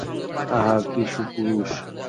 আহা, কী সুপুরুষ!